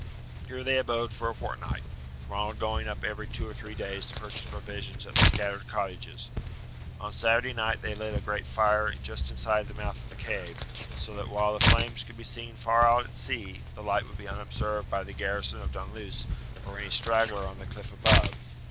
Here they abode for a fortnight, Ronald going up every two or three days to purchase provisions at the scattered cottages. On Saturday night they lit a great fire just inside the mouth of the cave, so that while the flames could be seen far out at sea the light would be unobserved by the garrison of Dunluce or any straggler on the cliff above.